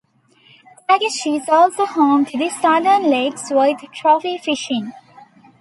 Tagish is also home to the Southern Lakes with trophy fishing.